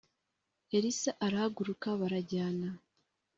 Elisa arahaguruka barajyana